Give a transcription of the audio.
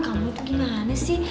kamu tuh gimana sih